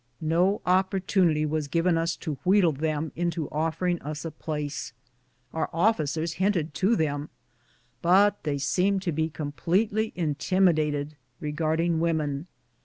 No opportunity was given us to wheedle them into offering us a place. Our oflScers hinted to SEPARATION AND REUNION. 89 them, but they seemed to be completely intimidated re garding women.